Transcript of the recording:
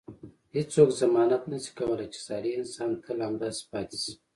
هیڅوک ضمانت نه شي کولای چې صالح انسان تل همداسې پاتې شي.